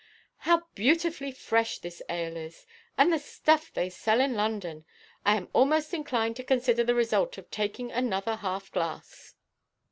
"How beautifully fresh this ale is! Oh, the stuff they sell in London! I am almost inclined to consider the result of taking another half glass."